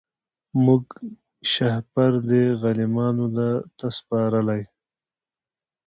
موږ شهپر دی غلیمانو ته سپارلی